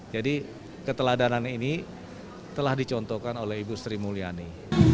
jadi keteladanan ini telah dicontohkan oleh ibu sri mulyani